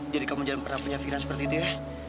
jadi kamu jangan pernah punya pikiran seperti itu ya